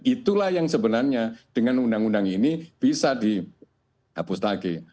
itulah yang sebenarnya dengan undang undang ini bisa dihapus tagih